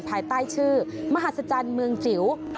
ภายใต้ชื่อมหัศจรรย์เมืองจิ๋ว